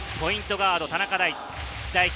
ガード田中大貴。